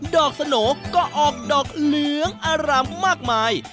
ดอกสโหน่ก็ออกดอกเหลืองอร่ำมากมาย